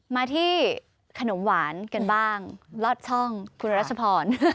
มาที่ขนมหวานกันบ้างลอดช่องคุณรัชพร